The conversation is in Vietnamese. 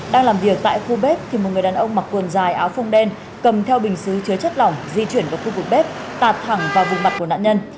đang làm việc tại khu bếp thì một người đàn ông mặc quần dài áo phung đen cầm theo bình xứ chứa chất lỏng di chuyển vào khu vực bếp tạt thẳng vào vùng mặt của nạn nhân